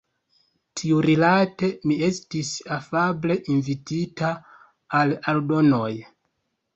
Tiurilate mi estis afable invitita al aldonoj.